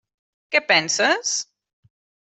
Què penses?